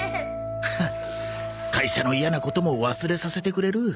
ふっ会社の嫌なことも忘れさせてくれる